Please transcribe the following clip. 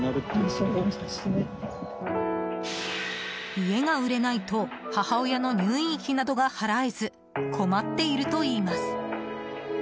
家が売れないと母親の入院費などが払えず困っているといいます。